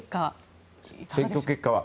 選挙結果は。